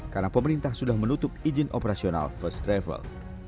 karena pemerintah sudah menutup izin operasional first travel